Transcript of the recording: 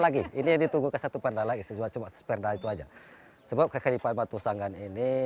lagi ini ditunggu ke satu perda lagi sebuah cuma sepeda itu aja sebab kekalipan batu sanggan ini